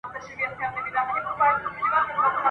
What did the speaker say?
لویه خدایه د پېړیو ویده بخت مو را بیدار کې ..